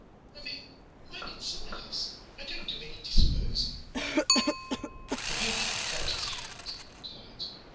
I mean, I'm in service. I don't do any disposing." The painter clapped his hands in mock delight.